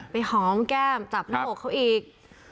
หอมแก้มจับหน้าอกเขาอีก